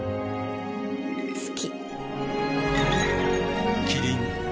好き。